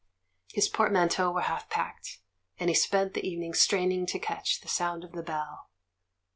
His portmanteaux were half packed, and he spent the evening straining to catch the sound of the bell.